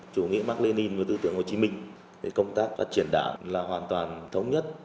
chủ nghĩa mark lenin và tư tưởng hồ chí minh về công tác phát triển đảng là hoàn toàn thống nhất